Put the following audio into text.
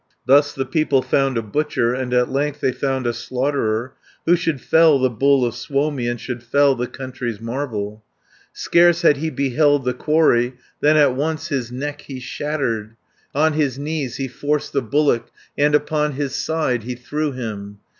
Thus the people found a butcher, And at length they found a slaughterer, Who should fell the bull of Suomi, And should fell the country's marvel. Scarce had he beheld the quarry, Than at once his neck he shattered, On his knees he forced the bullock, And upon his side he threw him.